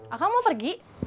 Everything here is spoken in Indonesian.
akang mau pergi